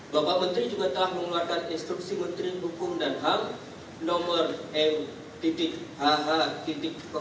bapak menteri juga telah mengeluarkan instruksi menteri hukum dan hak